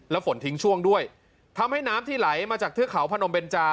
ฝนทิ้งช่วงด้วยทำให้น้ำที่ไหลมาจากเทือกเขาพนมเบนจา